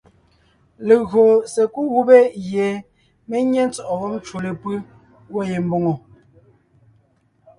Legÿo sekúd gubé gie mé nyé ntsɔ̂ʼɔ wɔ́b ncwò lepʉ́ gwɔ̂ ye mbòŋo,